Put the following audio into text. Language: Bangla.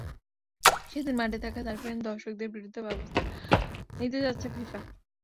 সেদিন মাঠে থাকা সার্বিয়ান দর্শকদের বিরুদ্ধেও ব্যবস্থা নিতে যাচ্ছে ফিফা।